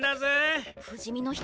不死身の人